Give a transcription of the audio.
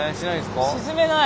沈めない？